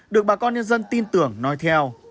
được bà con nhân dân tin tưởng nói theo